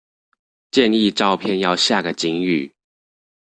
建議照片要下個警語